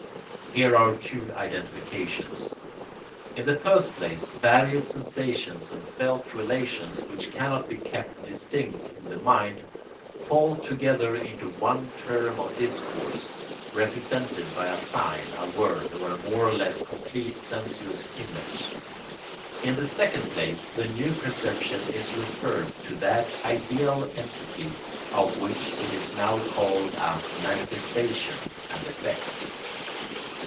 Here are two identifications. In the first place various sensations and felt relations, which cannot be kept distinct in the mind, fall together into one term of discourse, represented by a sign, a word, or a more or less complete sensuous image. In the second place the new perception is referred to that ideal entity of which it is now called a manifestation and effect.